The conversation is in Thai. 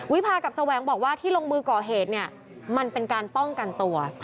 วิพากับแสวงบอกว่าที่ลงมือก่อเหตุเนี่ยมันเป็นการป้องกันตัว